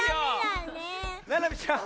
ななみちゃん